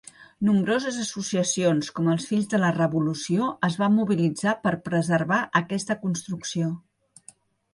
Nombroses associacions, com els Fills de la Revolució es van mobilitzar per preservar aquesta construcció.